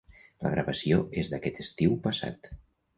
La gravació és d’aquest estiu passat.